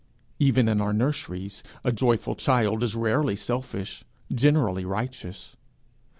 Even in our nurseries, a joyful child is rarely selfish, generally righteous.